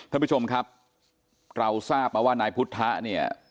ท่านผู้ชมครับเราทราบมาว่านายพุทธะเนี่ย